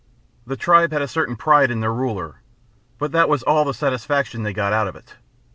The tribe had a certain pride in their ruler, but that was all the satisfaction they got out of it.